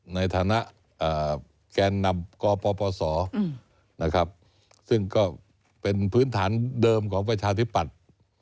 ในฐานะแกนนำกปปศซึ่งก็เป็นพื้นฐานเดิมของประชาธิปัตย์